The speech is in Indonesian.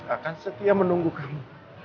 akan setia menunggu kamu